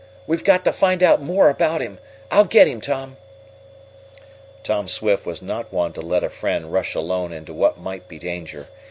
"We've got to find out more about him! I'll get him, Tom!" Tom Swift was not one to let a friend rush alone into what might be danger.